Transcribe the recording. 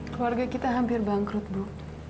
keluarga kita hampir bangkrut bu